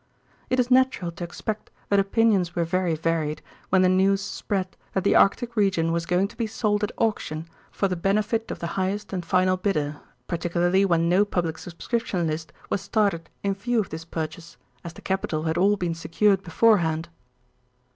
It is natural to expect that opinions were very varied when the news spread that the Arctic region was going to be sold at auction for the benefit of the highest and final bidder, particularly when no public subscription list was started in view of this purchase, as the capital had all been secured beforehand.